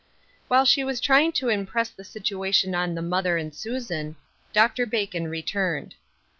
While she was trying to impress the situation on the mother and Susan, Dr. Bacon returned.